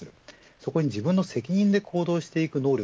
そこに自分の責任で行動していく能力